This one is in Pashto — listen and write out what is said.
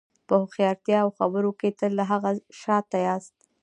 په هوښیارتیا او خبرو کې تل له هغه شاته یاست.